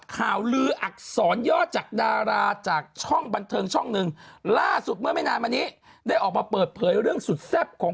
ข่าวลืออักษรยอดจากดาราจากช่องบันเทิงช่องหนึ่งล่าสุดเมื่อไม่นานมานี้ได้ออกมาเปิดเผยเรื่องสุดแซ่บของ